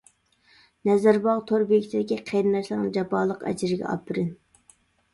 نەزەرباغ تور بېكىتىدىكى قېرىنداشلارنىڭ جاپالىق ئەجرىگە ئاپىرىن.